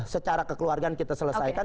secara kekeluargaan kita selesaikan